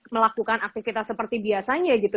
melakukan aktivitas seperti biasanya gitu